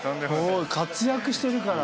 もう活躍してるから。